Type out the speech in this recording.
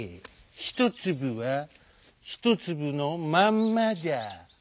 ひとつぶはひとつぶのまんまじゃ」。